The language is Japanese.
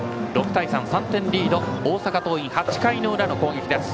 ６対３、３点リード大阪桐蔭、８回裏の攻撃。